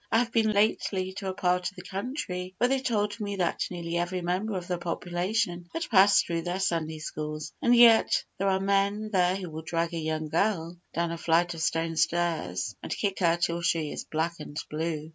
I have been lately to a part of the country where they told me that nearly every member of the population had passed through their Sunday schools, and yet there are men there who will drag a young girl down a flight of stone stairs and kick her till she is black and blue.